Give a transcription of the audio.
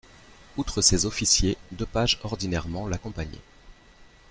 Outre ses officiers, deux pages ordinairement l'accompagnaient.